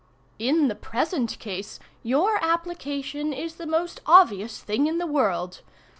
In the present case your application is the most obvious thing in the world.